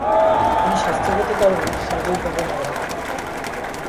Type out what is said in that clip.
তিনি স্বাস্থ্যগত কারণে স্বাভাবিকভাবে মারা যান।